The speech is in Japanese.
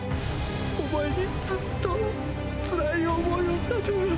お前にずっとつらい思いをさせた。